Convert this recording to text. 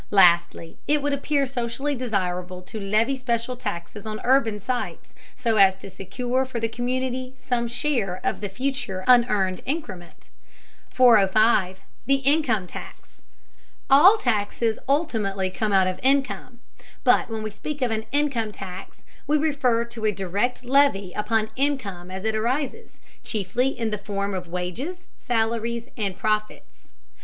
Lastly, it would appear socially desirable to levy special taxes on urban sites, so as to secure for the community some share of the future unearned increment. 405. THE INCOME TAX. All taxes ultimately come out of income, but when we speak of an income tax we refer to a direct levy upon income as it arises, chiefly in the form of wages, salaries, and profits.